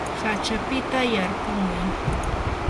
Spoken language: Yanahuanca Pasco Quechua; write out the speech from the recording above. hachapita yarpumuy.